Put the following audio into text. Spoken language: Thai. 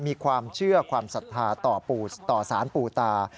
มีความเชื่อความศรัทธาต่อสารปู่ตา